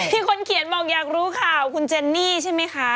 คนเขียนบอกอยากรู้ข่าวคุณเจนนี่ใช่ไหมคะ